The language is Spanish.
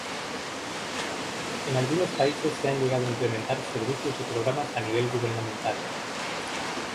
En algunos países se han llegado a implementar servicios y programas a nivel gubernamental.